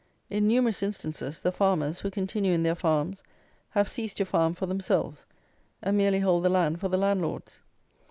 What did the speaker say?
In numerous instances the farmers, who continue in their farms, have ceased to farm for themselves, and merely hold the land for the landlords.